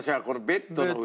ベッドの上。